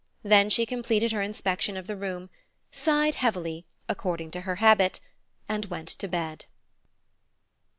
Then she completed her inspection of the room, sighed heavily according to her habit, and went to bed.